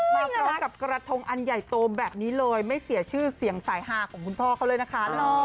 มาพร้อมกับกระทงอันใหญ่โตแบบนี้เลยไม่เสียชื่อเสียงสายฮาของคุณพ่อเขาเลยนะคะ